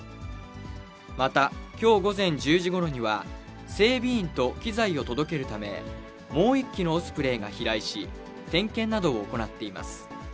またきょう午前１０時ごろには、整備員と機材を届けるため、もう１機のオスプレイが飛来し、点検などを行っています。